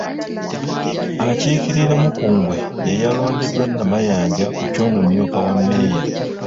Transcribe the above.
Akiikirira Mukungwe ye yalondeddwa Namayanja ku ky’omumyuka wa Mmeeya.